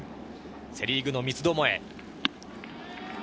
セ・リーグの三つどもえ。